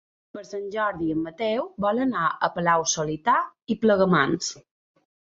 Per Sant Jordi en Mateu vol anar a Palau-solità i Plegamans.